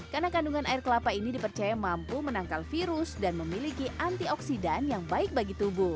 karena kandungan air kelapa ini dipercaya mampu menangkal virus dan memiliki antioksidan yang baik bagi tubuh